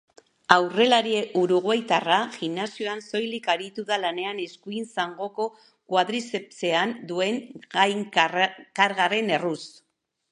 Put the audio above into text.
Aurrelari uruguaitarra gimnasioan soilik aritu da lanean eskuin zangoko koadrizepsean duen gainkargaren erruz.